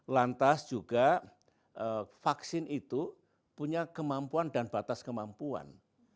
lantas juga vaksin itu punya kemampuan dan batas kemampuan